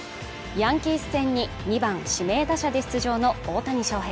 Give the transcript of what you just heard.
ヤンキース戦に２番指名打者で出場の大谷翔平